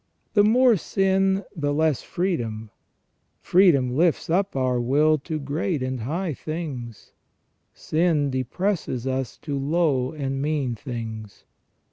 The more sin the less freedom. Freedom lifts up our will to great and high things ; sin depresses us to low and mean things.